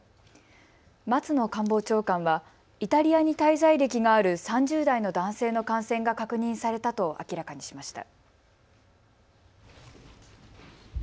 松野官房長官はイタリアに滞在歴がある３０代の男性の感染が確認されたと明らかにしました。